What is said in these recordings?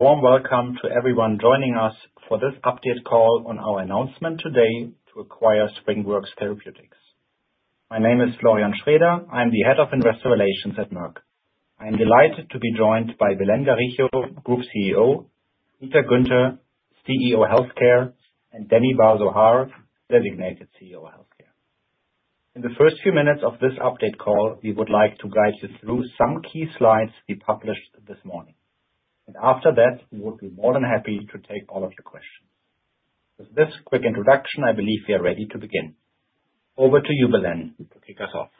Warm welcome to everyone joining us for this update call on our announcement today to acquire SpringWorks Therapeutics. My name is Florian Schröder. I'm the Head of Investor Relations at Merck. I'm delighted to be joined by Belén Garijo, Group CEO, Peter Guenter, CEO Healthcare, and Danny Bar-Zohar, Designated CEO Healthcare. In the first few minutes of this update call, we would like to guide you through some key slides we published this morning. After that, we would be more than happy to take all of your questions. With this quick introduction, I believe we are ready to begin. Over to you, Belén, to kick us off.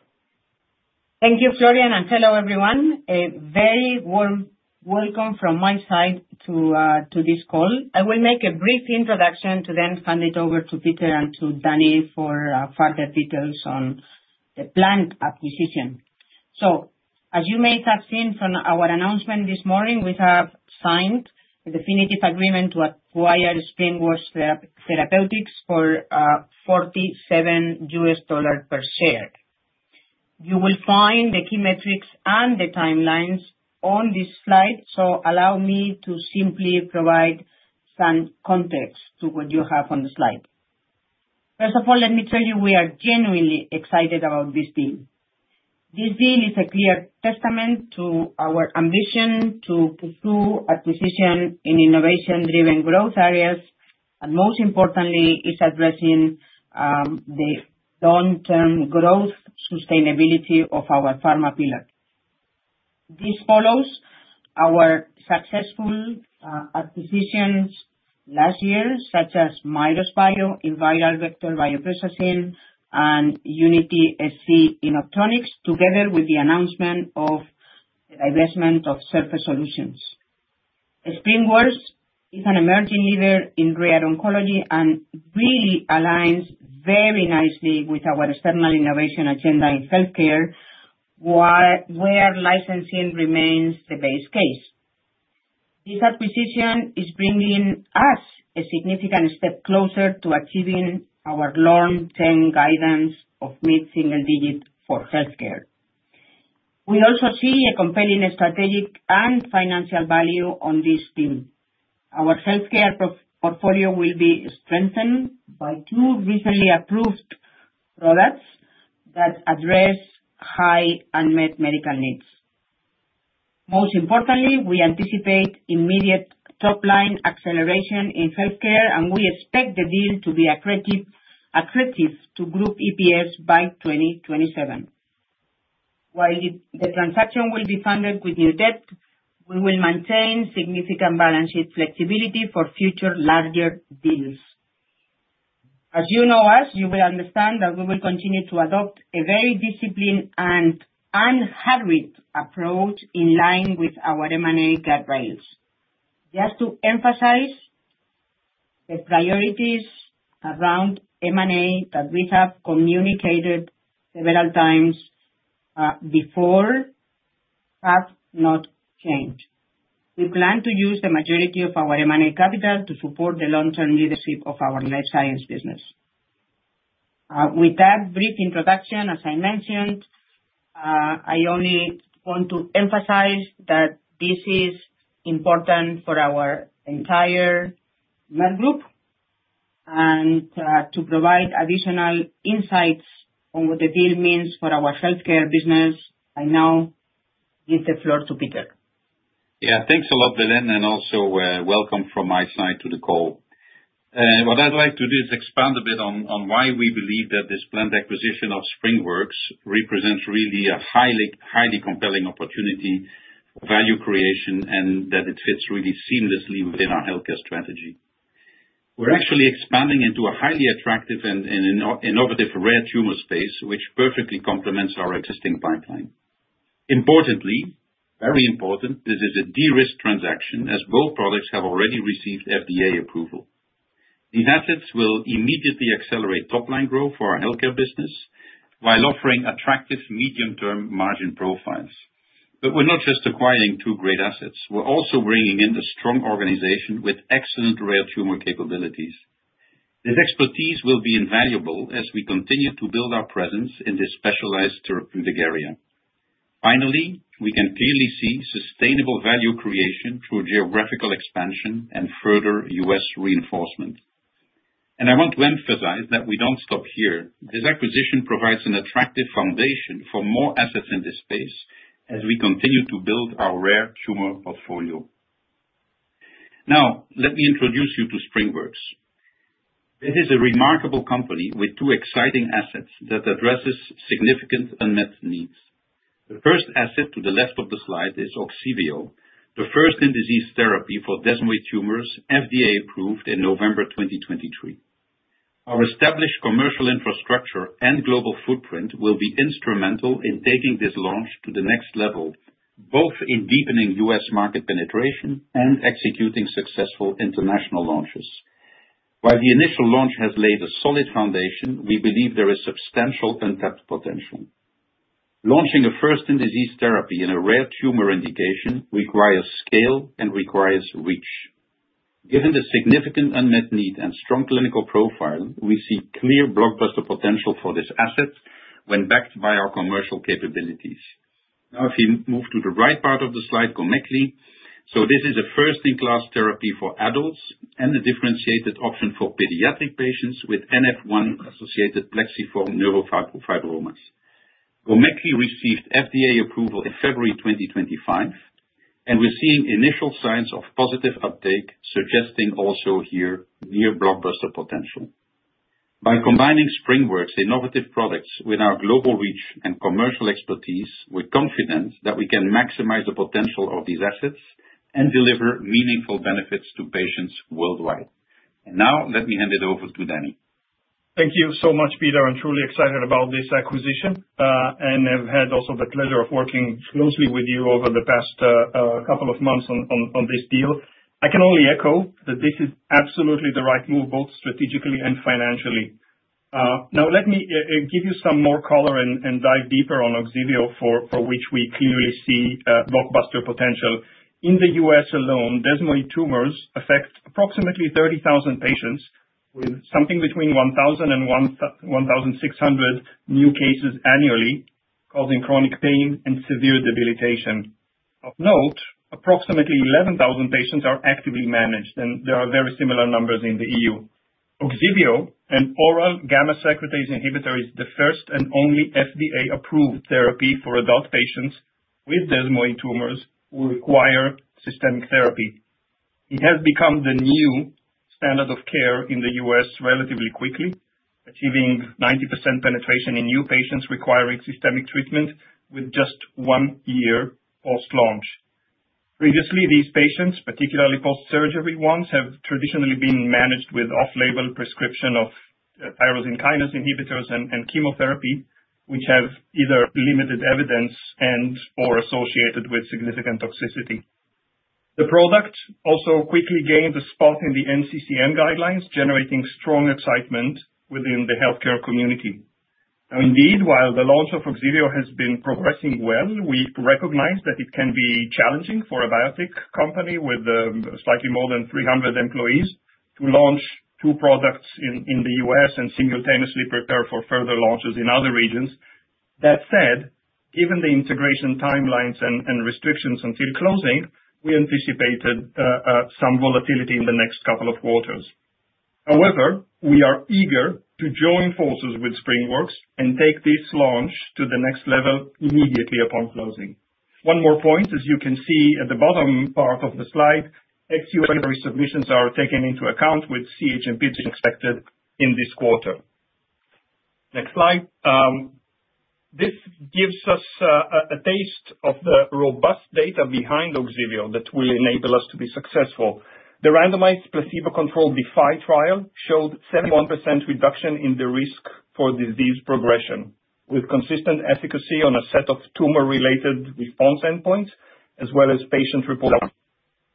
Thank you, Florian. Hello, everyone. A very warm welcome from my side to this call. I will make a brief introduction to then hand it over to Peter and to Danny for further details on the planned acquisition. As you may have seen from our announcement this morning, we have signed a definitive agreement to acquire SpringWorks Therapeutics for $47 per share. You will find the key metrics and the timelines on this slide. Allow me to simply provide some context to what you have on the slide. First of all, let me tell you, we are genuinely excited about this deal. This deal is a clear testament to our ambition to pursue acquisition in innovation-driven growth areas. Most importantly, it is addressing the long-term growth sustainability of our pharma pillar. This follows our successful acquisitions last year, such as Mirus Bio in viral vector bioprocessing, and Unity-SC in optronics, together with the announcement of the investment of Surface Solutions. SpringWorks is an emerging leader in rare oncology and really aligns very nicely with our external innovation agenda in healthcare, where licensing remains the base case. This acquisition is bringing us a significant step closer to achieving our long-term guidance of mid-single digit for healthcare. We also see a compelling strategic and financial value on this deal. Our healthcare portfolio will be strengthened by two recently approved products that address high unmet medical needs. Most importantly, we anticipate immediate top-line acceleration in healthcare, and we expect the deal to be attractive to group EPS by 2027. While the transaction will be funded with new debt, we will maintain significant balance sheet flexibility for future larger deals. As you know us, you will understand that we will continue to adopt a very disciplined and unhurried approach in line with our M&A guidelines. Just to emphasize, the priorities around M&A that we have communicated several times before have not changed. We plan to use the majority of our M&A capital to support the long-term leadership of our life science business. With that brief introduction, as I mentioned, I only want to emphasize that this is important for our entire Merck Group. To provide additional insights on what the deal means for our healthcare business, I now give the floor to Peter. Yeah, thanks a lot, Belén. Also welcome from my side to the call. What I'd like to do is expand a bit on why we believe that this planned acquisition of SpringWorks represents really a highly compelling opportunity for value creation and that it fits really seamlessly within our healthcare strategy. We're actually expanding into a highly attractive and innovative rare tumor space, which perfectly complements our existing pipeline. Importantly, very important, this is a de-risked transaction, as both products have already received FDA approval. These assets will immediately accelerate top-line growth for our healthcare business while offering attractive medium-term margin profiles. We're not just acquiring two great assets. We're also bringing in a strong organization with excellent rare tumor capabilities. This expertise will be invaluable as we continue to build our presence in this specialized therapeutic area. Finally, we can clearly see sustainable value creation through geographical expansion and further U.S. reinforcement. I want to emphasize that we don't stop here. This acquisition provides an attractive foundation for more assets in this space as we continue to build our rare tumor portfolio. Now, let me introduce you to SpringWorks. This is a remarkable company with two exciting assets that address significant unmet needs. The first asset to the left of the slide is Ogsiveo, the first in disease therapy for desmoid tumors, FDA approved in November 2023. Our established commercial infrastructure and global footprint will be instrumental in taking this launch to the next level, both in deepening U.S. market penetration and executing successful international launches. While the initial launch has laid a solid foundation, we believe there is substantial untapped potential. Launching a first-in-disease therapy in a rare tumor indication requires scale and requires reach. Given the significant unmet need and strong clinical profile, we see clear blockbuster potential for this asset when backed by our commercial capabilities. If you move to the right part of the slide, Gomekli. This is a first-in-class therapy for adults and a differentiated option for pediatric patients with NF1-associated plexiform neurofibromas. Gomekli received FDA approval in February 2025, and we're seeing initial signs of positive uptake, suggesting also here near blockbuster potential. By combining SpringWorks' innovative products with our global reach and commercial expertise, we're confident that we can maximize the potential of these assets and deliver meaningful benefits to patients worldwide. Let me hand it over to Danny. Thank you so much, Peter. I'm truly excited about this acquisition and have had also the pleasure of working closely with you over the past couple of months on this deal. I can only echo that this is absolutely the right move, both strategically and financially. Now, let me give you some more color and dive deeper on Ogsiveo, for which we clearly see blockbuster potential. In the U.S. alone, desmoid tumors affect approximately 30,000 patients with something between 1,000 and 1,600 new cases annually, causing chronic pain and severe debilitation. Of note, approximately 11,000 patients are actively managed, and there are very similar numbers in the EU. Ogsiveo, an oral gamma secretase inhibitor, is the first and only FDA-approved therapy for adult patients with desmoid tumors who require systemic therapy. It has become the new standard of care in the U.S. relatively quickly, achieving 90% penetration in new patients requiring systemic treatment with just one year post-launch. Previously, these patients, particularly post-surgery ones, have traditionally been managed with off-label prescription of tyrosine kinase inhibitors and chemotherapy, which have either limited evidence and/or are associated with significant toxicity. The product also quickly gained a spot in the NCCN guidelines, generating strong excitement within the healthcare community. Now, indeed, while the launch of Ogsiveo has been progressing well, we recognize that it can be challenging for a biotech company with slightly more than 300 employees to launch two products in the U.S. and simultaneously prepare for further launches in other regions. That said, given the integration timelines and restrictions until closing, we anticipated some volatility in the next couple of quarters.. However, we are eager to join forces with SpringWorks and take this launch to the next level immediately upon closing. One more point, as you can see at the bottom part of the slide, ex-U.S. resubmissions are taken into account with CHMPs expected in this quarter. Next slide. This gives us a taste of the robust data behind Ogsiveo that will enable us to be successful. The randomized placebo-controlled DeFi trial showed a 71% reduction in the risk for disease progression, with consistent efficacy on a set of tumor-related response endpoints, as well as patient reports.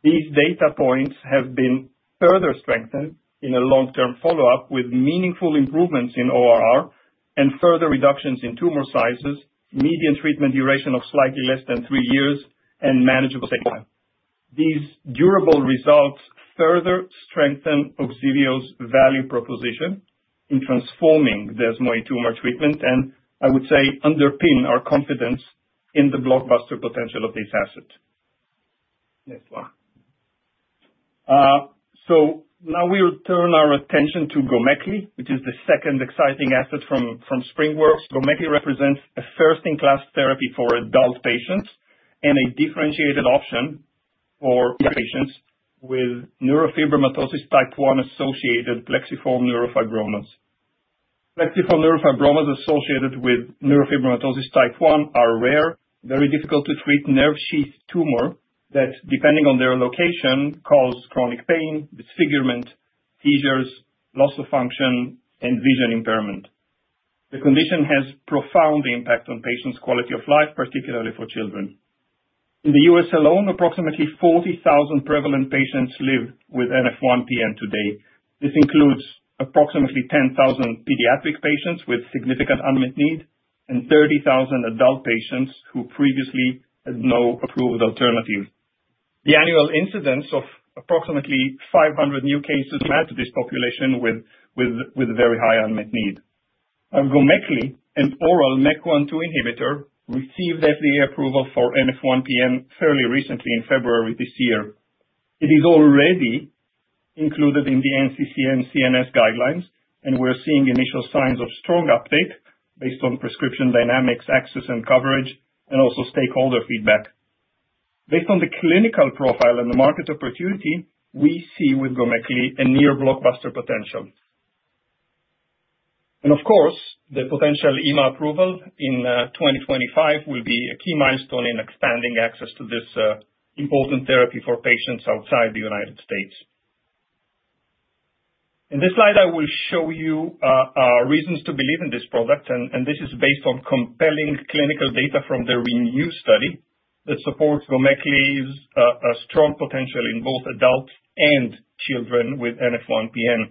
These data points have been further strengthened in a long-term follow-up with meaningful improvements in ORR and further reductions in tumor sizes, median treatment duration of slightly less than three years, and manageable saving time. These durable results further strengthen Ogsiveo's value proposition in transforming desmoid tumor treatment, and I would say underpin our confidence in the blockbuster potential of this asset. Next one. Now we will turn our attention to Gomekli, which is the second exciting asset from SpringWorks. Gomekli represents a first-in-class therapy for adult patients and a differentiated option for patients with neurofibromatosis type 1-associated plexiform neurofibromas. Plexiform neurofibromas associated with neurofibromatosis type 1 are rare, very difficult to treat nerve sheath tumors that, depending on their location, cause chronic pain, disfigurement, seizures, loss of function, and vision impairment. The condition has a profound impact on patients' quality of life, particularly for children. In the U.S. alone, approximately 40,000 prevalent patients live with NF1-PN today. This includes approximately 10,000 pediatric patients with significant unmet need and 30,000 adult patients who previously had no approved alternative. The annual incidence of approximately 500 new cases adds to this population with very high unmet need. Gomekli, an oral MEK 1/2 inhibitor, received FDA approval for NF1-PN fairly recently in February this year. It is already included in the NCCN CNS guidelines, and we're seeing initial signs of strong uptake based on prescription dynamics, access, and coverage, and also stakeholder feedback. Based on the clinical profile and the market opportunity, we see with Gomekli a near blockbuster potential. The potential EMA approval in 2025 will be a key milestone in expanding access to this important therapy for patients outside the United States. In this slide, I will show you reasons to believe in this product, and this is based on compelling clinical data from the ReNeu study that supports Gomekli's strong potential in both adults and children with NF1-PN.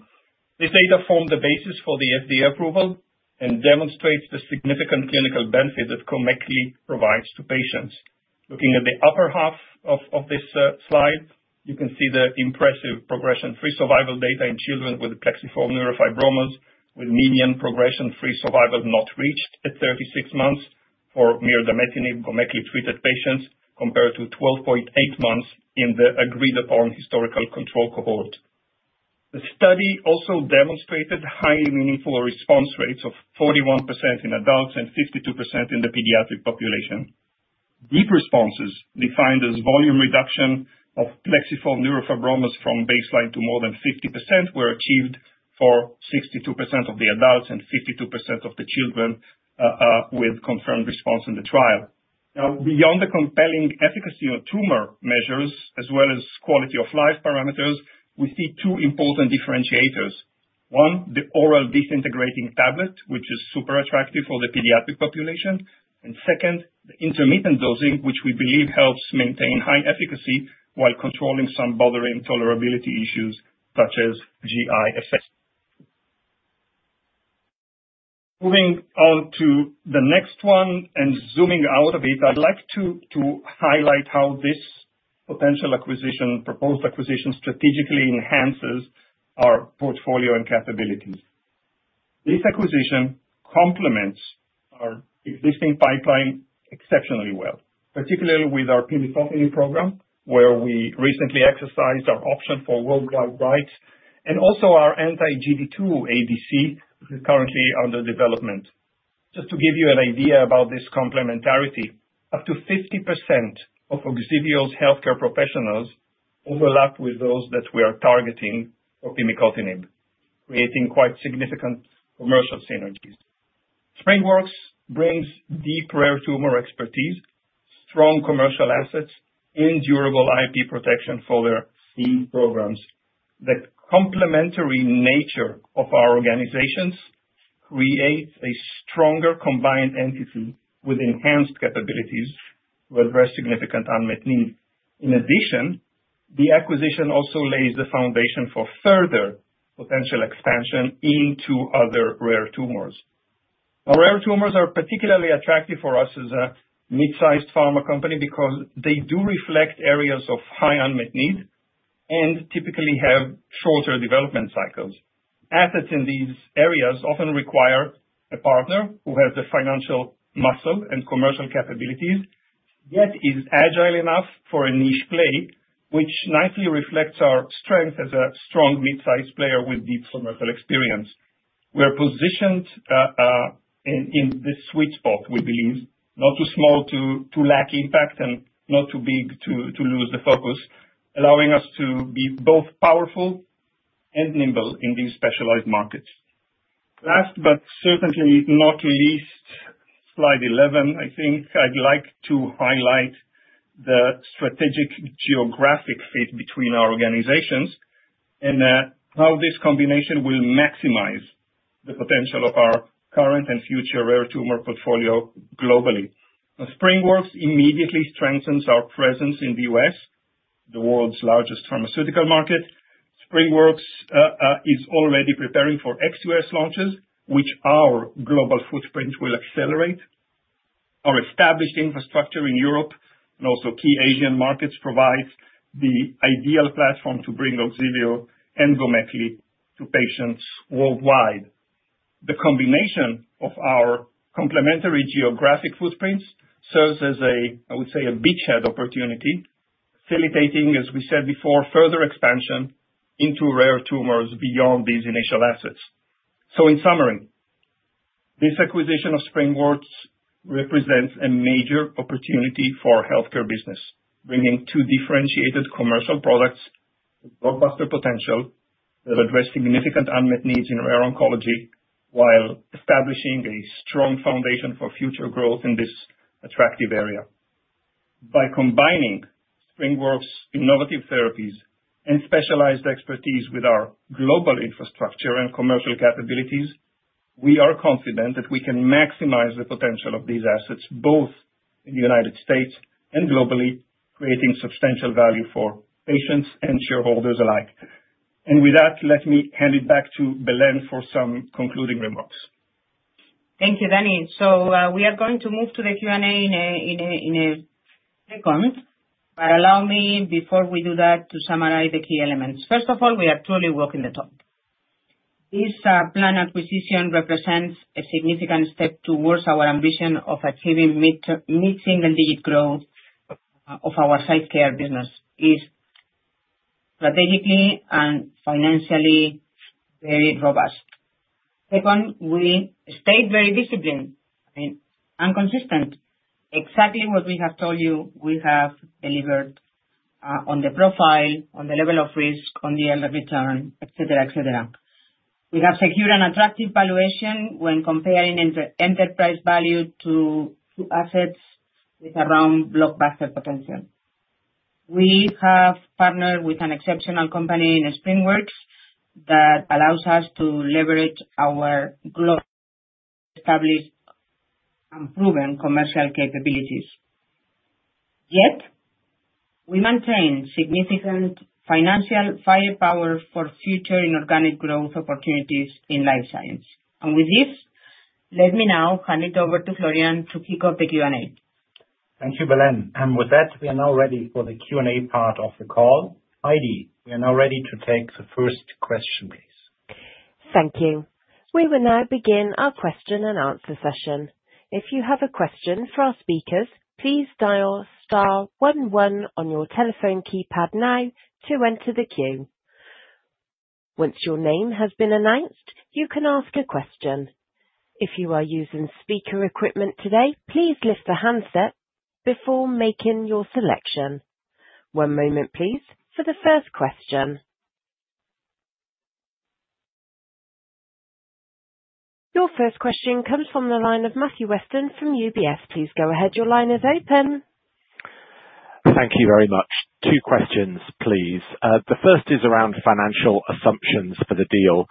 This data formed the basis for the FDA approval and demonstrates the significant clinical benefit that Gomekli provides to patients. Looking at the upper half of this slide, you can see the impressive progression-free survival data in children with plexiform neurofibromas, with median progression-free survival not reached at 36 months for Gomekli-treated patients, compared to 12.8 months in the agreed-upon historical control cohort. The study also demonstrated highly meaningful response rates of 41% in adults and 52% in the pediatric population. Deep responses, defined as volume reduction of plexiform neurofibromas from baseline to more than 50%, were achieved for 62% of the adults and 52% of the children with confirmed response in the trial. Now, beyond the compelling efficacy of tumor measures, as well as quality-of-life parameters, we see two important differentiators. One, the oral disintegrating tablet, which is super attractive for the pediatric population. Second, the intermittent dosing, which we believe helps maintain high efficacy while controlling some bothering tolerability issues such as GI effects. Moving on to the next one and zooming out a bit, I'd like to highlight how this potential acquisition, proposed acquisition, strategically enhances our portfolio and capabilities. This acquisition complements our existing pipeline exceptionally well, particularly with our pimicotinib program, where we recently exercised our option for worldwide rights, and also our anti-GD2 ADC, which is currently under development. Just to give you an idea about this complementarity, up to 50% of Ogsiveo's healthcare professionals overlap with those that we are targeting for pimicotinib, creating quite significant commercial synergies. SpringWorks brings deep rare tumor expertise, strong commercial assets, and durable IP protection for their key programs. The complementary nature of our organizations creates a stronger combined entity with enhanced capabilities to address significant unmet needs. In addition, the acquisition also lays the foundation for further potential expansion into other rare tumors. Now, rare tumors are particularly attractive for us as a mid-sized pharma company because they do reflect areas of high unmet need and typically have shorter development cycles. Assets in these areas often require a partner who has the financial muscle and commercial capabilities, yet is agile enough for a niche play, which nicely reflects our strength as a strong mid-sized player with deep commercial experience. We're positioned in this sweet spot, we believe, not too small to lack impact and not too big to lose the focus, allowing us to be both powerful and nimble in these specialized markets. Last, but certainly not least, slide 11, I think I'd like to highlight the strategic geographic fit between our organizations and how this combination will maximize the potential of our current and future rare tumor portfolio globally. SpringWorks immediately strengthens our presence in the U.S., the world's largest pharmaceutical market. SpringWorks is already preparing for ex-U.S. launches, which our global footprint will accelerate. Our established infrastructure in Europe and also key Asian markets provides the ideal platform to bring Ogsiveo and Gomekli to patients worldwide. The combination of our complementary geographic footprints serves as a, I would say, a beachhead opportunity, facilitating, as we said before, further expansion into rare tumors beyond these initial assets. In summary, this acquisition of SpringWorks represents a major opportunity for our healthcare business, bringing two differentiated commercial products with blockbuster potential that address significant unmet needs in rare oncology while establishing a strong foundation for future growth in this attractive area. By combining SpringWorks' innovative therapies and specialized expertise with our global infrastructure and commercial capabilities, we are confident that we can maximize the potential of these assets both in the U.S. and globally, creating substantial value for patients and shareholders alike. Let me hand it back to Belén for some concluding remarks. Thank you, Danny. We are going to move to the Q&A in a second. Allow me, before we do that, to summarize the key elements. First of all, we are truly walking the talk. This planned acquisition represents a significant step towards our ambition of achieving mid-single-digit growth of our healthcare business. It is strategically and financially very robust. Second, we stayed very disciplined and consistent. Exactly what we have told you, we have delivered on the profile, on the level of risk, on the returns, etc., etc. We have secured an attractive valuation when comparing enterprise value to assets with around blockbuster potential. We have partnered with an exceptional company in SpringWorks that allows us to leverage our globally established and proven commercial capabilities. Yet, we maintain significant financial firepower for future inorganic growth opportunities in life science. With this, let me now hand it over to Florian to kick off the Q&A. Thank you, Belén. With that, we are now ready for the Q&A part of the call. Heidi, we are now ready to take the first question, please. Thank you. We will now begin our question and answer session. If you have a question for our speakers, please dial star 11 on your telephone keypad now to enter the queue. Once your name has been announced, you can ask a question. If you are using speaker equipment today, please lift the handset before making your selection. One moment, please, for the first question. Your first question comes from the line of Matthew Weston from UBS. Please go ahead. Your line is open. Thank you very much. Two questions, please. The first is around financial assumptions for the deal.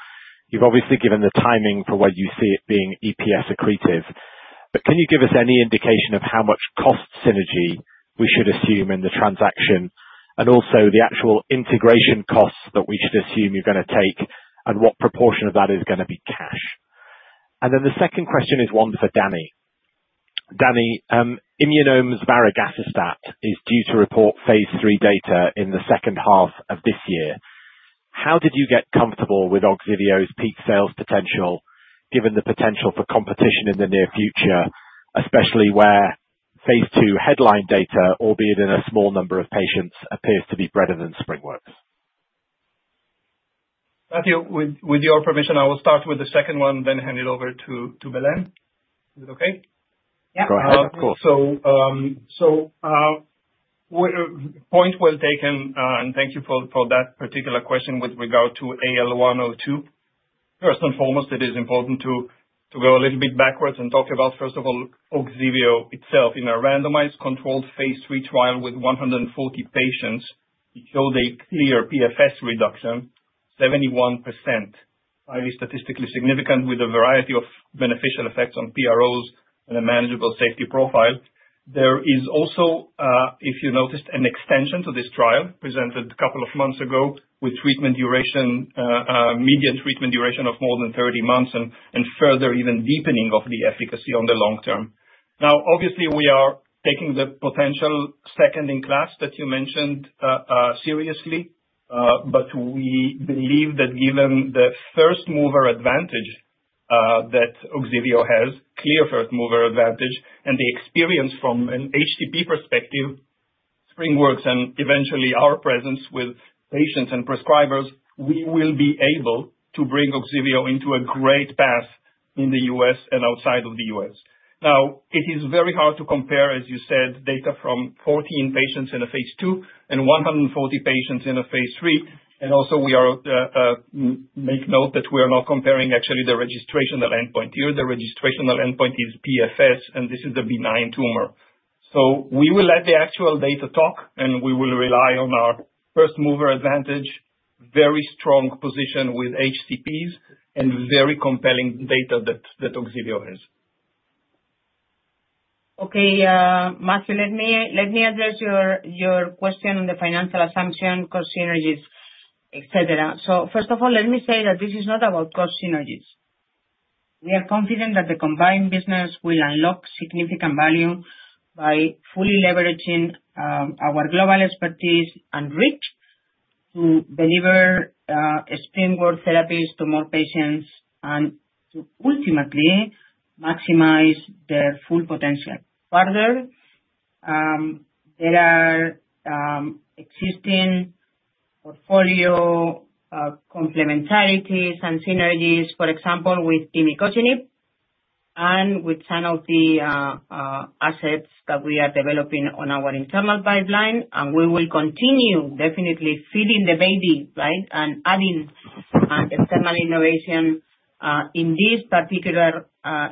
You've obviously given the timing for where you see it being EPS accretive. Can you give us any indication of how much cost synergy we should assume in the transaction, and also the actual integration costs that we should assume you're going to take, and what proportion of that is going to be cash? The second question is one for Danny. Danny, Immunome's varegacestat is due to report phase III data in the second half of this year. How did you get comfortable with Ogsiveo's peak sales potential, given the potential for competition in the near future, especially where phase II headline data, albeit in a small number of patients, appears to be better than SpringWorks? Matthew, with your permission, I will start with the second one and then hand it over to Belén. Is it okay? Yeah, of course. Point well taken, and thank you for that particular question with regard AL102. first and foremost, it is important to go a little bit backwards and talk about, first of all, Ogsiveo itself. In a randomized controlled phase III trial with 140 patients, it showed a clear PFS reduction, 71%. Highly statistically significant, with a variety of beneficial effects on PROs and a manageable safety profile. There is also, if you noticed, an extension to this trial presented a couple of months ago, with median treatment duration of more than 30 months and further even deepening of the efficacy on the long term. Now, obviously, we are taking the potential second-in-class that you mentioned seriously, but we believe that given the first-mover advantage that Ogsiveo has, clear first-mover advantage, and the experience from an HCP perspective, SpringWorks and eventually our presence with patients and prescribers, we will be able to bring Ogsiveo into a great path in the U.S. and outside of the U.S. Now, it is very hard to compare, as you said, data from 14 patients in a phase II and 140 patients in a phase III. Also, we make note that we are not comparing actually the registrational endpoint here. The registrational endpoint is PFS, and this is a benign tumor. We will let the actual data talk, and we will rely on our first-mover advantage, very strong position with HCPs, and very compelling data that Ogsiveo has. Okay, Matthew, let me address your question on the financial assumption, cost synergies, etc. First of all, let me say that this is not about cost synergies. We are confident that the combined business will unlock significant value by fully leveraging our global expertise and reach to deliver SpringWorks therapies to more patients and to ultimately maximize their full potential. Further, there are existing portfolio complementarities and synergies, for example, with pimicotinib and with some of the assets that we are developing on our internal pipeline. We will continue definitely feeding the baby, right, and adding external innovation in this particular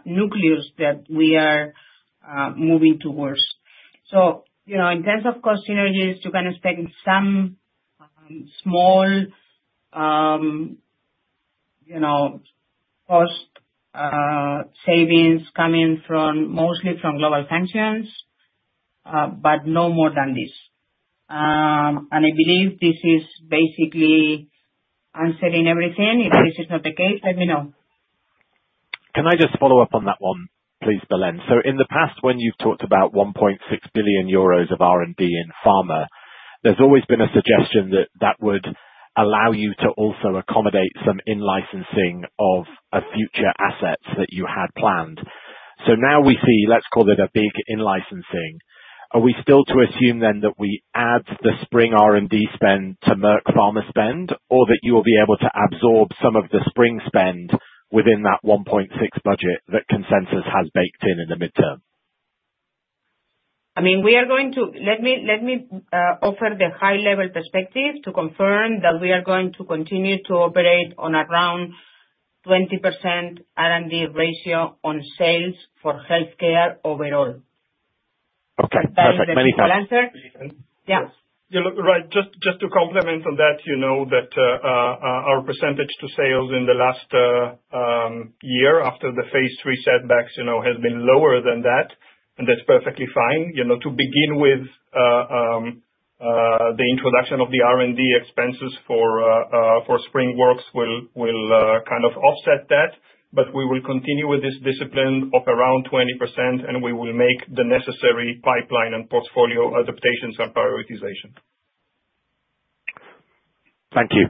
nucleus that we are moving towards. In terms of cost synergies, you can expect some small cost savings coming mostly from global sanctions, but no more than this. I believe this is basically answering everything. If this is not the case, let me know. Can I just follow up on that one, please, Belén? In the past, when you've talked about 1.6 billion euros of R&D in pharma, there's always been a suggestion that that would allow you to also accommodate some in-licensing of future assets that you had planned. Now we see, let's call it a big in-licensing. Are we still to assume then that we add the Spring R&D spend to Merck pharma spend, or that you will be able to absorb some of the Spring spend within that 1.6 billion budget that consensus has baked in in the midterm? I mean, we are going to let me offer the high-level perspective to confirm that we are going to continue to operate on around 20% R&D ratio on sales for healthcare overall. Okay. That's many things. That's my answer. Yeah. Right. Just to complement on that, you know that our percentage to sales in the last year after the phase III setbacks has been lower than that, and that's perfectly fine. To begin with, the introduction of the R&D expenses for SpringWorks will kind of offset that, but we will continue with this discipline of around 20%, and we will make the necessary pipeline and portfolio adaptations and prioritization. Thank you.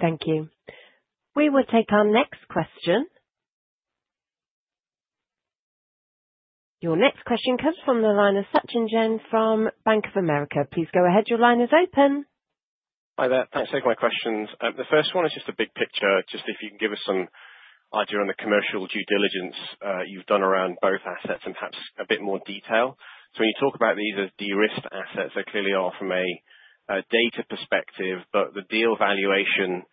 Thank you. We will take our next question. Your next question comes from the line of Sachin Jain from Bank of America. Please go ahead. Your line is open. Hi there. Thanks for taking my questions. The first one is just a big picture, just if you can give us some idea on the commercial due diligence you've done around both assets and perhaps a bit more detail. When you talk about these as de-risked assets, they clearly are from a data perspective, but the deal valuation,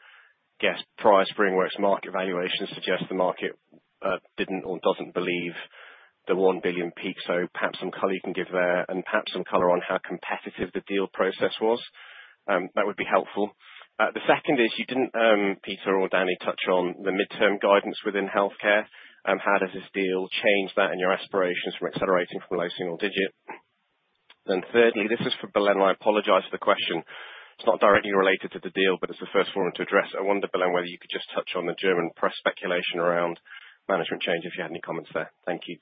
guess, prior SpringWorks market valuation suggests the market didn't or doesn't believe the 1 billion peak. Perhaps some color you can give there and perhaps some color on how competitive the deal process was. That would be helpful. The second is you didn't, Peter or Danny, touch on the midterm guidance within Healthcare. How does this deal change that in your aspirations from accelerating from low single digit? Thirdly, this is for Belén. I apologize for the question. It's not directly related to the deal, but it's the first forum to address. I wonder, Belén, whether you could just touch on the German press speculation around management change if you had any comments there. Thank you.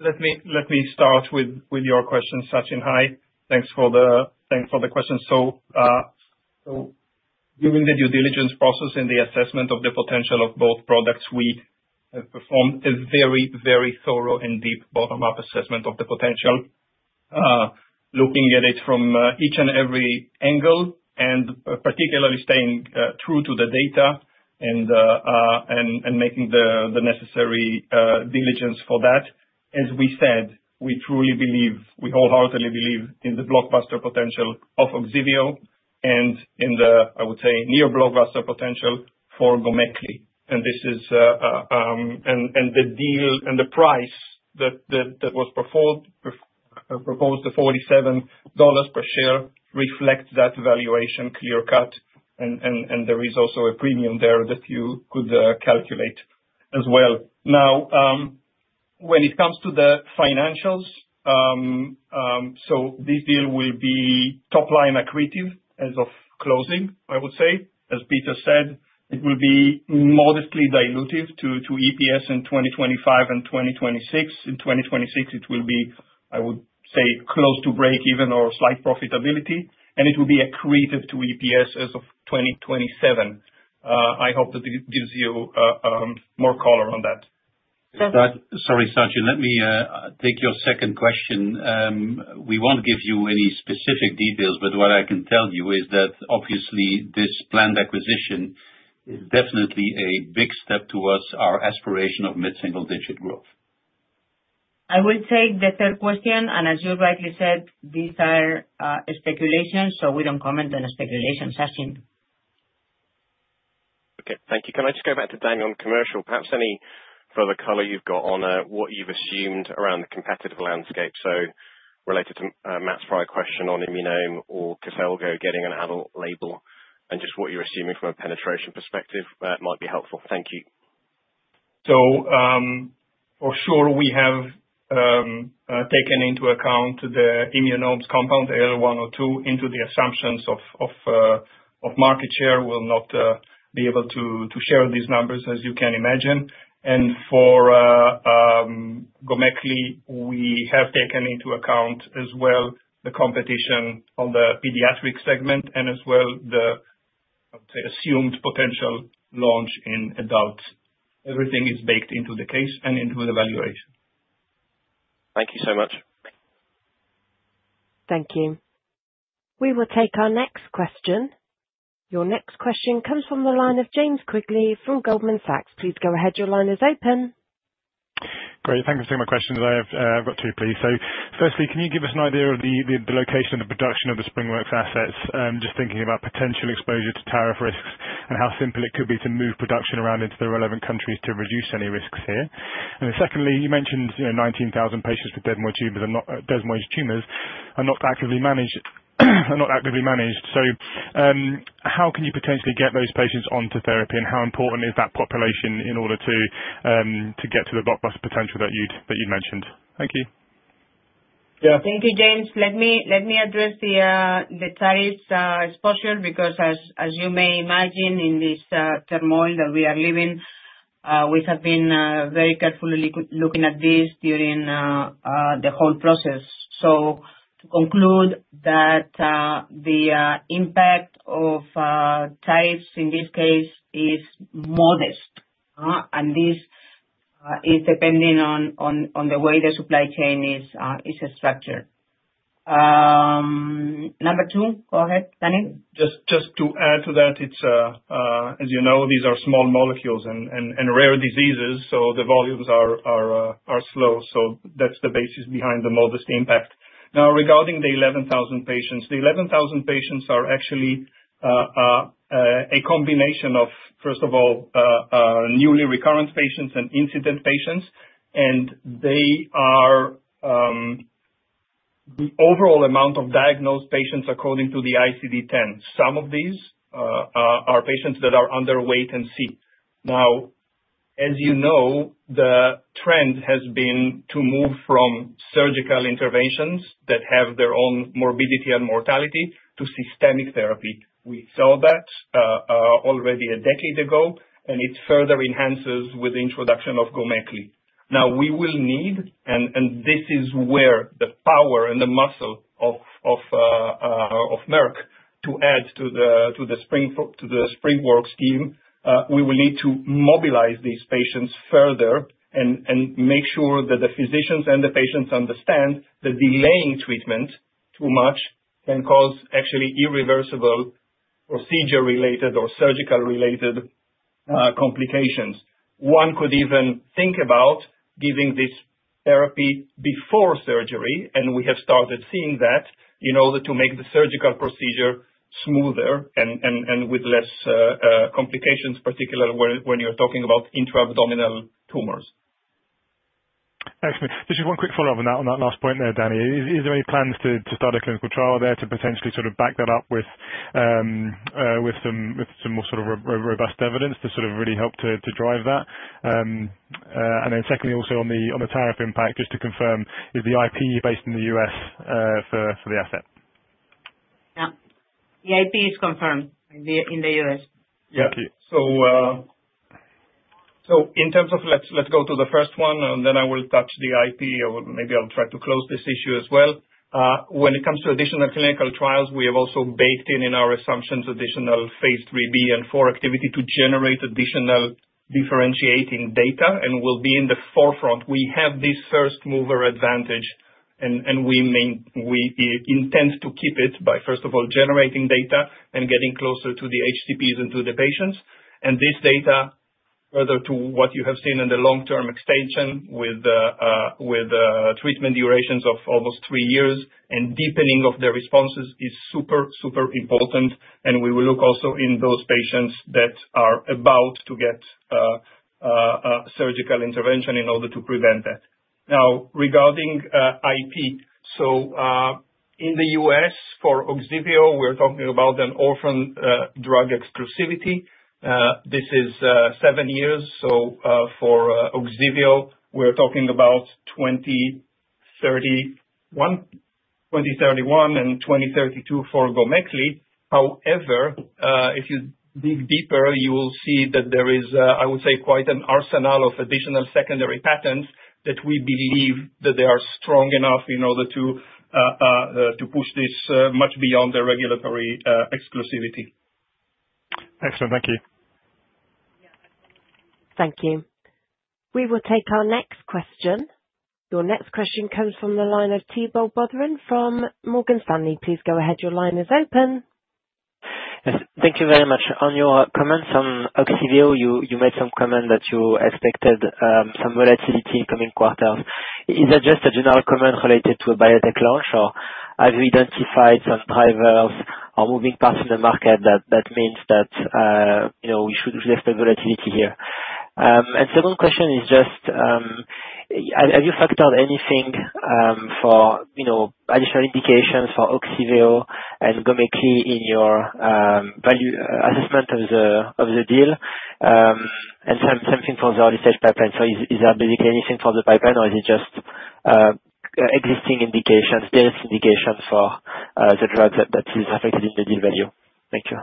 Let me start with your question, Sachin. Hi. Thanks for the question. During the due diligence process and the assessment of the potential of both products, we have performed a very, very thorough and deep bottom-up assessment of the potential, looking at it from each and every angle and particularly staying true to the data and making the necessary diligence for that. As we said, we truly believe, we wholeheartedly believe in the blockbuster potential of Ogsiveo and in the, I would say, near-blockbuster potential for Gomekli. This is and the deal and the price that was proposed, the $47 per share, reflects that valuation clear-cut. There is also a premium there that you could calculate as well. Now, when it comes to the financials, this deal will be top-line accretive as of closing, I would say. As Peter said, it will be modestly dilutive to EPS in 2025 and 2026. In 2026, it will be, I would say, close to break-even or slight profitability, and it will be accretive to EPS as of 2027. I hope that it gives you more color on that. Sorry, Sachin. Let me take your second question. We won't give you any specific details, but what I can tell you is that, obviously, this planned acquisition is definitely a big step towards our aspiration of mid-single-digit growth. I would take the third question. As you rightly said, these are speculations, so we don't comment on speculation, Sachin. Okay. Thank you. Can I just go back to Danny on commercial? Perhaps any further color you've got on what you've assumed around the competitive landscape? Related to Matt's prior question on Immunome or Koselugo getting an adult label and just what you're assuming from a penetration perspective, that might be helpful. Thank you. We have taken into account Immunome's compound, AL102, into the assumptions of market share. We will not be able to share these numbers, as you can imagine. For Gomekli, we have taken into account as well the competition on the pediatric segment and as well the, I would say, assumed potential launch in adults. Everything is baked into the case and into the valuation. Thank you so much. Thank you. We will take our next question. Your next question comes from the line of James Quigley from Goldman Sachs. Please go ahead. Your line is open. Great. Thanks for taking my question. I've got two, please. Firstly, can you give us an idea of the location and the production of the SpringWorks assets, just thinking about potential exposure to tariff risks and how simple it could be to move production around into the relevant countries to reduce any risks here? Secondly, you mentioned 19,000 patients with desmoid tumors are not actively managed. How can you potentially get those patients onto therapy, and how important is that population in order to get to the blockbuster potential that you'd mentioned? Thank you. Yeah. Thank you, James. Let me address the tariffs exposure because, as you may imagine, in this turmoil that we are living, we have been very carefully looking at this during the whole process. To conclude, the impact of tariffs, in this case, is modest, and this is depending on the way the supply chain is structured. Number two, go ahead, Danny. Just to add to that, as you know, these are small molecules and rare diseases, so the volumes are slow. That's the basis behind the modest impact. Now, regarding the 11,000 patients, the 11,000 patients are actually a combination of, first of all, newly recurrent patients and incident patients, and they are the overall amount of diagnosed patients according to the ICD-10. Some of these are patients that are underweight and sick. Now, as you know, the trend has been to move from surgical interventions that have their own morbidity and mortality to systemic therapy. We saw that already a decade ago, and it further enhances with the introduction of Gomekli. Now, we will need, and this is where the power and the muscle of Merck to add to the SpringWorks scheme, we will need to mobilize these patients further and make sure that the physicians and the patients understand that delaying treatment too much can cause actually irreversible procedure-related or surgical-related complications. One could even think about giving this therapy before surgery, and we have started seeing that in order to make the surgical procedure smoother and with less complications, particularly when you're talking about intra-abdominal tumors. Thanks. Just one quick follow-up on that last point there, Danny. Is there any plans to start a clinical trial there to potentially sort of back that up with some more sort of robust evidence to sort of really help to drive that? Secondly, also on the tariff impact, just to confirm, is the IP based in the U.S. for the asset? Yeah. The IP is confirmed in the U.S. Thank you. In terms of, let's go to the first one, and then I will touch the IP, or maybe I'll try to close this issue as well. When it comes to additional clinical trials, we have also baked in in our assumptions additional phase III-B and IV activity to generate additional differentiating data and will be in the forefront. We have this first-mover advantage, and we intend to keep it by, first of all, generating data and getting closer to the HCPs and to the patients. This data, further to what you have seen in the long-term extension with treatment durations of almost three years and deepening of the responses, is super, super important. We will look also in those patients that are about to get surgical intervention in order to prevent that. Now, regarding IP, in the U.S. for Ogsiveo, we're talking about an orphan drug exclusivity. This is seven years. For Ogsiveo, we're talking about 2031 and 2032 for Gomekli. However, if you dig deeper, you will see that there is, I would say, quite an arsenal of additional secondary patents that we believe that they are strong enough in order to push this much beyond the regulatory exclusivity. Excellent. Thank you. Thank you. We will take our next question. Your next question comes from the line of Thibault Boutherin from Morgan Stanley. Please go ahead. Your line is open. Thank you very much. On your comments on Ogsiveo, you made some comment that you expected some volatility in coming quarters. Is that just a general comment related to a biotech launch, or have you identified some drivers or moving parts in the market that means that we should lift the volatility here? The second question is just, have you factored anything for additional indications for Ogsiveo and Gomekli in your assessment of the deal? The same thing for the early-stage pipeline. Is there basically anything for the pipeline, or is it just existing indications, there is indication for the drug that is affected in the deal value? Thank you.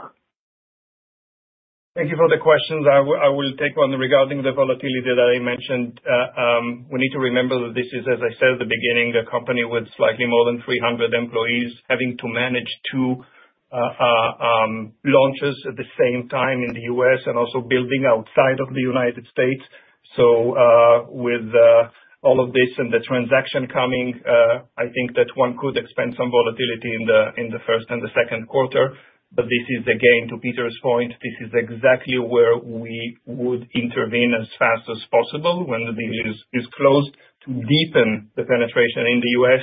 Thank you for the questions. I will take one regarding the volatility that I mentioned. We need to remember that this is, as I said at the beginning, a company with slightly more than 300 employees having to manage two launches at the same time in the U.S. and also building outside of the United States. With all of this and the transaction coming, I think that one could expect some volatility in the first and the second quarter. This is, again, to Peter's point, this is exactly where we would intervene as fast as possible when the deal is closed to deepen the penetration in the U.S.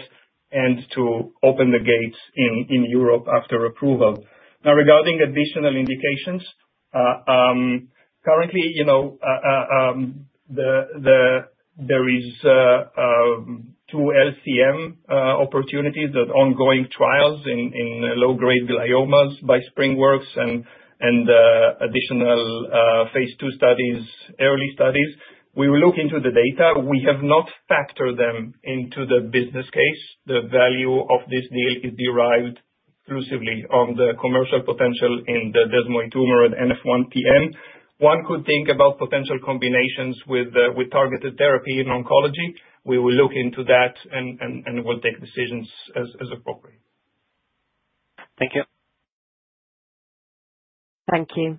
and to open the gates in Europe after approval. Now, regarding additional indications, currently, there are two LCM opportunities, the ongoing trials in low-grade gliomas by SpringWorks and additional phase II studies, early studies. We will look into the data. We have not factored them into the business case. The value of this deal is derived exclusively on the commercial potential in the desmoid tumor and NF1-PN. One could think about potential combinations with targeted therapy in oncology. We will look into that and will take decisions as appropriate. Thank you. Thank you.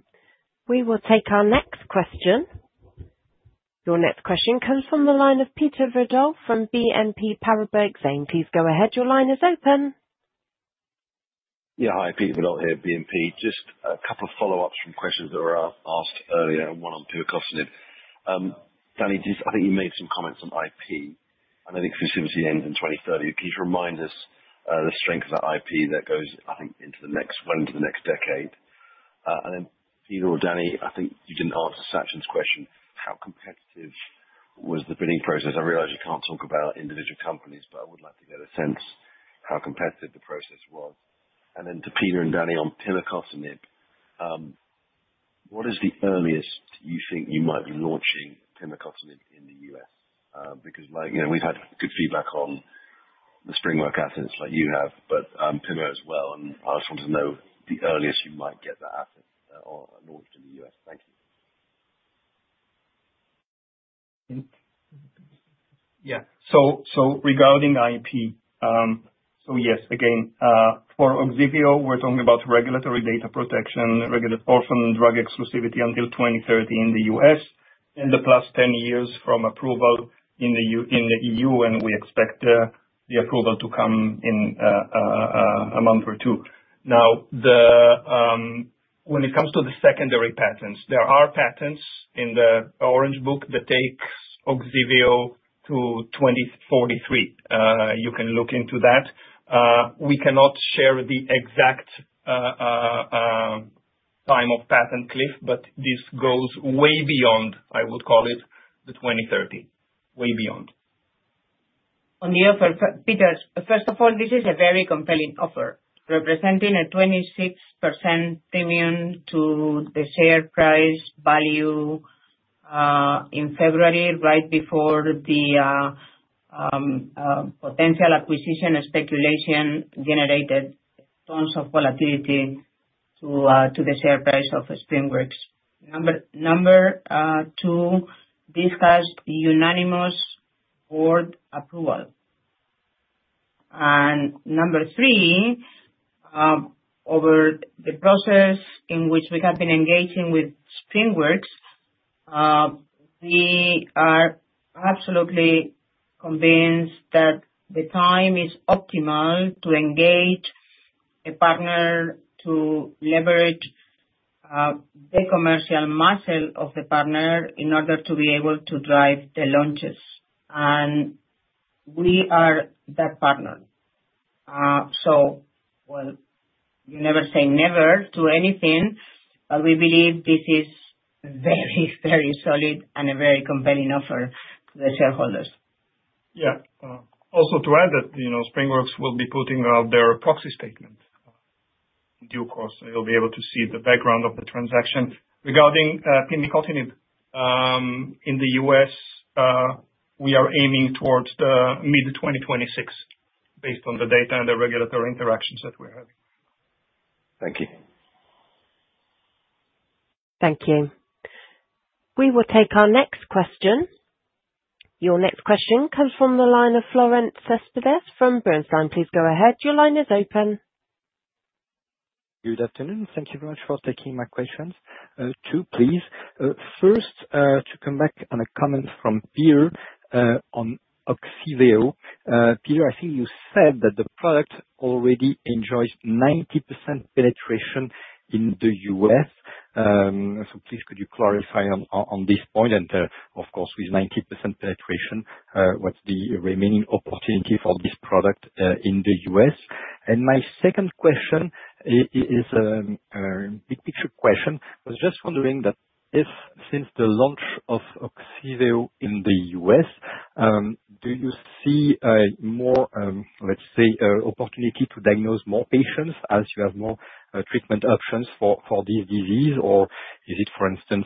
We will take our next question. Your next question comes from the line of Peter Verdult from BNP Paribas. Please go ahead. Your line is open. Yeah. Hi, Peter Verdult here, BNP. Just a couple of follow-ups from questions that were asked earlier and one on Peter. Danny, I think you made some comments on IP and that exclusivity ends in 2030. Please remind us the strength of that IP that goes, I think, into the next decade. Also, Peter or Danny, I think you did not answer Sachin's question. How competitive was the bidding process? I realize you cannot talk about individual companies, but I would like to get a sense of how competitive the process was. To Peter and Danny on pimicotinib, what is the earliest you think you might be launching pimicotinib in the U.S.? Because we have had good feedback on the SpringWorks assets like you have, but pimicotinib as well. I just want to know the earliest you might get that asset launched in the U.S. Thank you. Yeah. Regarding IP, yes, again, for Ogsiveo, we're talking about regulatory data protection, orphan drug exclusivity until 2030 in the U.S., and the plus 10 years from approval in the EU. We expect the approval to come in a month or two. Now, when it comes to the secondary patents, there are patents in the Orange Book that take Ogsiveo to 2043. You can look into that. We cannot share the exact time of patent cliff, but this goes way beyond, I would call it, the 2030, way beyond. On behalf of Peter, first of all, this is a very compelling offer, representing a 26% premium to the share price value in February, right before the potential acquisition speculation generated tons of volatility to the share price of SpringWorks. Number two, discuss unanimous board approval. Number three, over the process in which we have been engaging with SpringWorks, we are absolutely convinced that the time is optimal to engage a partner to leverage the commercial muscle of the partner in order to be able to drive the launches. We are that partner. You never say never to anything, but we believe this is very, very solid and a very compelling offer to the shareholders. Yeah. Also, to add that SpringWorks will be putting out their proxy statement in due course, and you'll be able to see the background of the transaction. Regarding pimicotinib, in the U.S., we are aiming towards mid-2026 based on the data and the regulatory interactions that we're having. Thank you. Thank you. We will take our next question. Your next question comes from the line of Florent Cespedes from Bernstein. Please go ahead. Your line is open. Good afternoon. Thank you very much for taking my questions. Two, please. First, to come back on a comment from Peter on Ogsiveo. Peter, I think you said that the product already enjoys 90% penetration in the U.S. Please, could you clarify on this point? Of course, with 90% penetration, what's the remaining opportunity for this product in the U.S.? My second question is a big picture question. I was just wondering that since the launch of Ogsiveo in the U.S., do you see more, let's say, opportunity to diagnose more patients as you have more treatment options for this disease, or is it, for instance,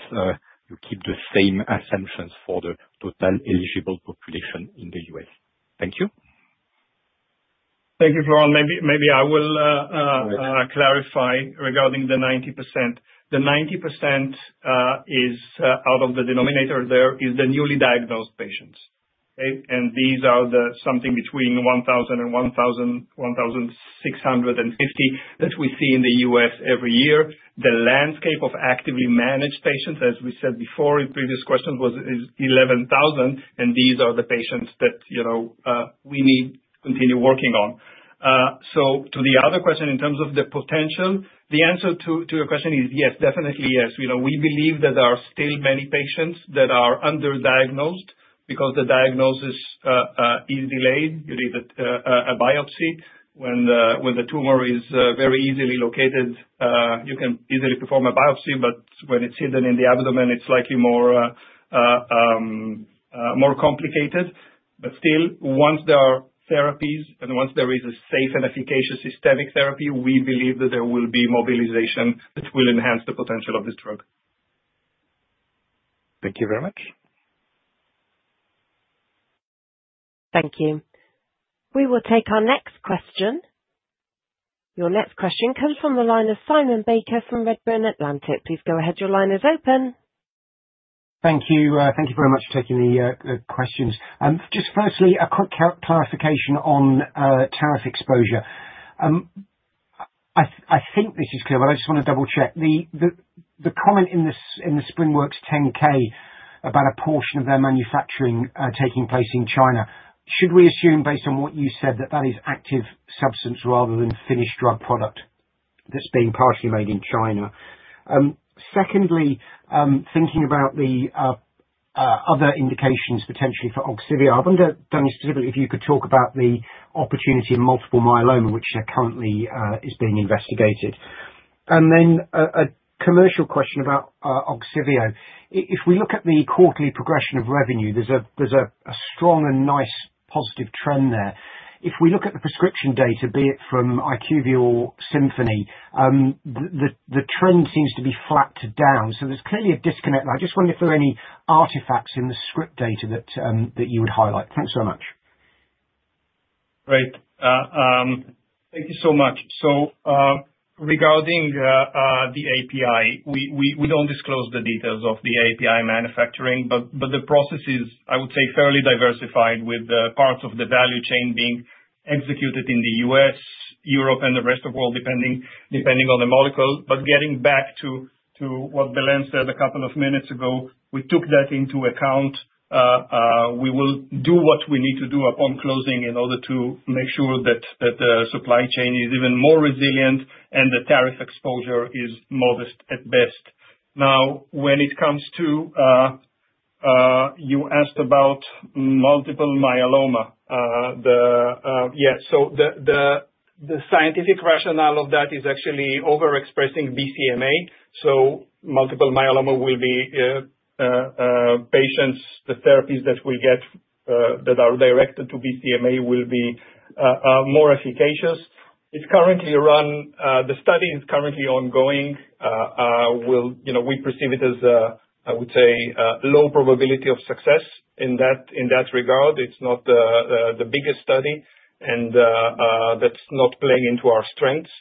you keep the same assumptions for the total eligible population in the U.S.? Thank you. Thank you, Florent. Maybe I will clarify regarding the 90%. The 90% is out of the denominator. There is the newly diagnosed patients. And these are something between 1,000 and 1,650 that we see in the U.S. every year. The landscape of actively managed patients, as we said before in previous questions, was 11,000, and these are the patients that we need to continue working on. To the other question, in terms of the potential, the answer to your question is yes, definitely yes. We believe that there are still many patients that are underdiagnosed because the diagnosis is delayed. You need a biopsy. When the tumor is very easily located, you can easily perform a biopsy, but when it's hidden in the abdomen, it's likely more complicated. Once there are therapies and once there is a safe and efficacious systemic therapy, we believe that there will be mobilization that will enhance the potential of this drug. Thank you very much. Thank you. We will take our next question. Your next question comes from the line of Simon Baker from Redburn Atlantic. Please go ahead. Your line is open. Thank you. Thank you very much for taking the questions. Just firstly, a quick clarification on tariff exposure. I think this is clear, but I just want to double-check. The comment in the SpringWorks 10-K about a portion of their manufacturing taking place in China, should we assume, based on what you said, that that is active substance rather than finished drug product that's being partially made in China? Secondly, thinking about the other indications potentially for Ogsiveo, I wonder, Danny, specifically if you could talk about the opportunity in multiple myeloma, which currently is being investigated. A commercial question about Ogsiveo. If we look at the quarterly progression of revenue, there's a strong and nice positive trend there. If we look at the prescription data, be it from IQVIA or Symphony, the trend seems to be flat down. There is clearly a disconnect. I just wonder if there are any artifacts in the script data that you would highlight. Thanks so much. Great. Thank you so much. Regarding the API, we do not disclose the details of the API manufacturing, but the process is, I would say, fairly diversified, with parts of the value chain being executed in the U.S., Europe, and the rest of the world, depending on the molecule. Getting back to what Belén said a couple of minutes ago, we took that into account. We will do what we need to do upon closing in order to make sure that the supply chain is even more resilient and the tariff exposure is modest at best. Now, you asked about multiple myeloma. The scientific rationale of that is actually overexpressing BCMA. Multiple myeloma will be patients, the therapies that are directed to BCMA will be more efficacious. The study is currently ongoing. We perceive it as, I would say, low probability of success in that regard. It is not the biggest study, and that is not playing into our strengths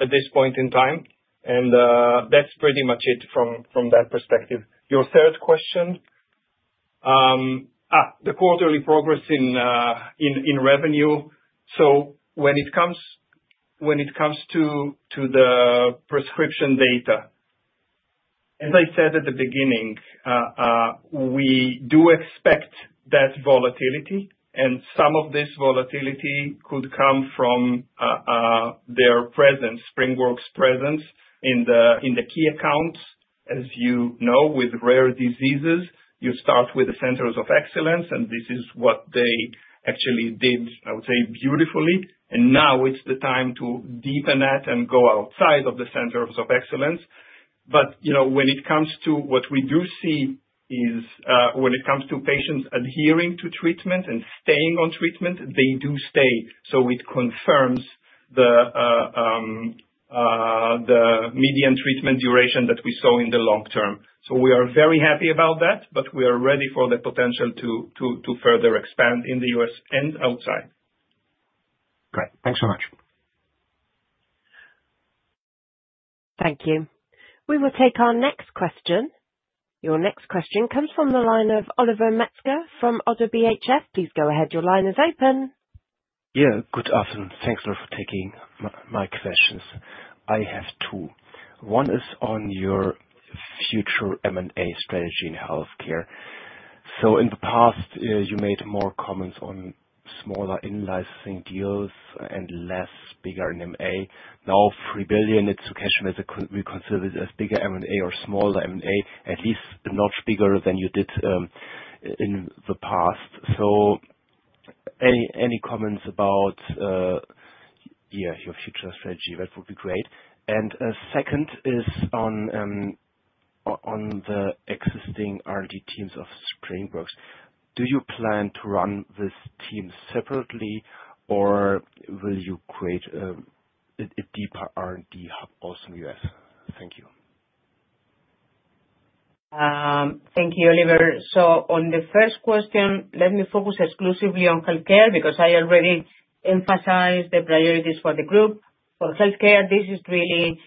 at this point in time. That is pretty much it from that perspective. Your third question, the quarterly progress in revenue. When it comes to the prescription data, as I said at the beginning, we do expect that volatility. Some of this volatility could come from their presence, SpringWorks' presence in the key accounts. As you know, with rare diseases, you start with the centers of excellence, and this is what they actually did, I would say, beautifully. Now it is the time to deepen that and go outside of the centers of excellence. When it comes to what we do see is when it comes to patients adhering to treatment and staying on treatment, they do stay. It confirms the median treatment duration that we saw in the long term. We are very happy about that, but we are ready for the potential to further expand in the U.S. and outside. Great. Thanks so much. Thank you. We will take our next question. Your next question comes from the line of Oliver Metzger from ODDO BHF. Please go ahead. Your line is open. Yeah. Good afternoon. Thanks for taking my questions. I have two. One is on your future M&A strategy in healthcare. In the past, you made more comments on smaller in-licensing deals and less bigger M&A. Now, $3 billion, it's occasionally reconsidered as bigger M&A or smaller M&A, at least not bigger than you did in the past. Any comments about your future strategy? That would be great. Second is on the existing R&D teams of SpringWorks. Do you plan to run this team separately, or will you create a deeper R&D hub also in the U.S.? Thank you. Thank you, Oliver. On the first question, let me focus exclusively on healthcare because I already emphasized the priorities for the group. For healthcare, this is really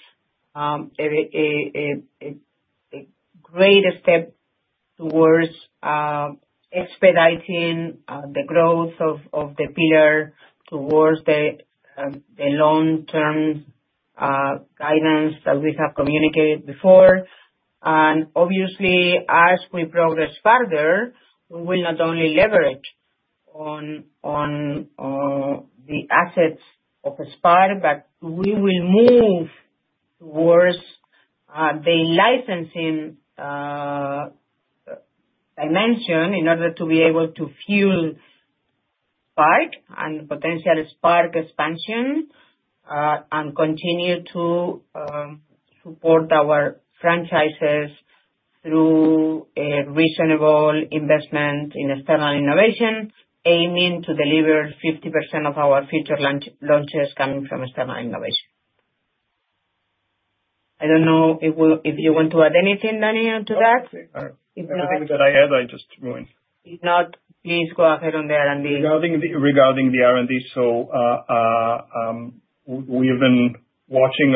a great step towards expediting the growth of the pillar towards the long-term guidance that we have communicated before. Obviously, as we progress further, we will not only leverage on the assets of SPARK, but we will move towards the licensing dimension in order to be able to fuel SPARK and potential SPARK expansion and continue to support our franchises through reasonable investment in external innovation, aiming to deliver 50% of our future launches coming from external innovation. I do not know if you want to add anything, Danny, onto that. If nothing that I add, I just went. If not, please go ahead on the R&D. Regarding the R&D, we have been watching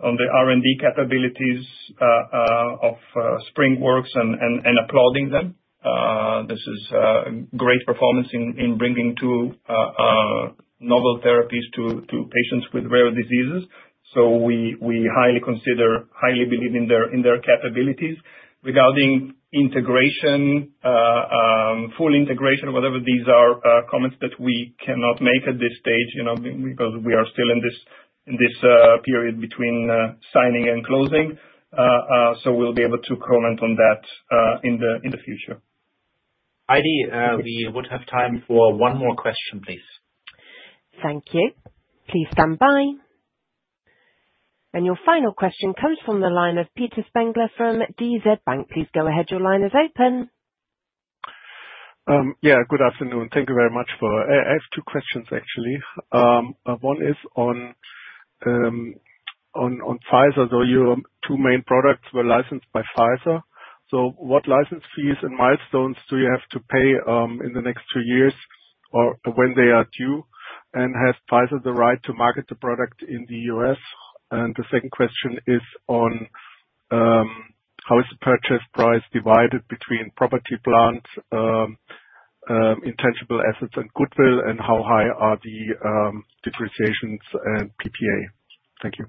the R&D capabilities of SpringWorks and applauding them. This is a great performance in bringing two novel therapies to patients with rare diseases. We highly believe in their capabilities. Regarding integration, full integration, whatever, these are comments that we cannot make at this stage because we are still in this period between signing and closing. We will be able to comment on that in the future. Heidi, we would have time for one more question, please. Thank you. Please stand by. Your final question comes from the line of Peter Spengler from DZ Bank. Please go ahead. Your line is open. Yeah. Good afternoon. Thank you very much for I have two questions, actually. One is on Pfizer. Your two main products were licensed by Pfizer. What license fees and milestones do you have to pay in the next two years or when they are due? Has Pfizer the right to market the product in the U.S.? The second question is on how is the purchase price divided between property plans, intangible assets, and goodwill, and how high are the depreciations and PPA? Thank you.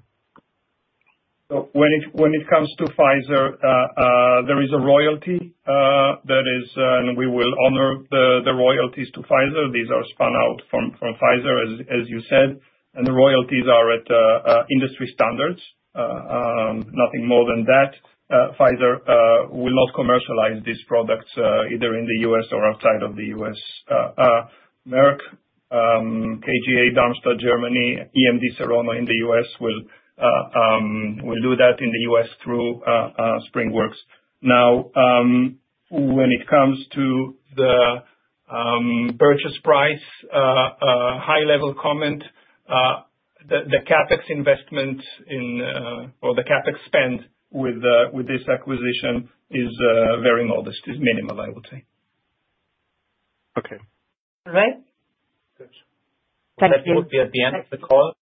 When it comes to Pfizer, there is a royalty that is, and we will honor the royalties to Pfizer. These are spun out from Pfizer, as you said. The royalties are at industry standards. Nothing more than that. Pfizer will not commercialize these products either in the U.S. or outside of the U.S. Merck KGaA, Darmstadt, Germany, EMD Serono in the U.S. will do that in the U.S. through SpringWorks. Now, when it comes to the purchase price, high-level comment, the CapEx investment or the CapEx spend with this acquisition is very modest, is minimal, I would say. Okay. All right? Good. Thank you. That will be at the end of the call.